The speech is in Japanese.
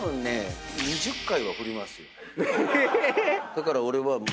え⁉だから俺は。